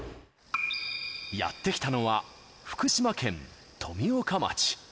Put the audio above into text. やって来たのは、福島県富岡町。